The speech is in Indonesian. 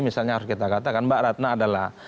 misalnya harus kita katakan mbak ratna adalah